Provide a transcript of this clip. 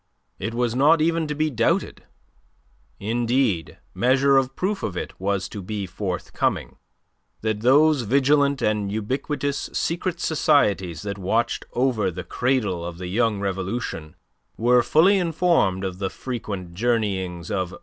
It was not even to be doubted indeed, measure of proof of it was to be forthcoming that those vigilant and ubiquitous secret societies that watched over the cradle of the young revolution were fully informed of the frequent journeyings of M.